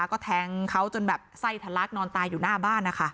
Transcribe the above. แล้วก็แทงเขาจนแบบไส้ทันลักษณ์นอนตายอยู่หน้าบ้านอ่ะค่ะ